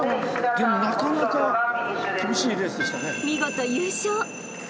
でもなかなか厳しいレースでしたね。